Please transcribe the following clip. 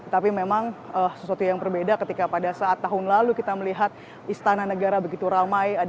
tapi memang sesuatu yang berbeda ketika pada saat tahun lalu kita melihat istana negara begitu ramai